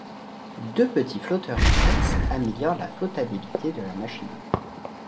Deux petits flotteurs annexes amélioraient la flottabilité de la machine.